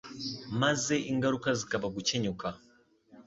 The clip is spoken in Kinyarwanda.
maze ingaruka zikaba gukenyuka.